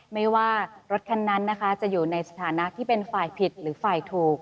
ไม่ว่ารถคันนั้นนะคะจะอยู่ในสถานะที่เป็นฝ่ายผิดหรือฝ่ายถูก